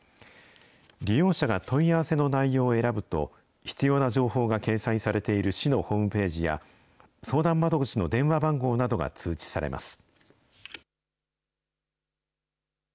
利用者が問い合わせの内容を選ぶと、必要な情報が掲載されている市のホームページや、相談窓口の電話番号などが通知されます。